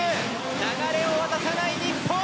流れを渡さない日本！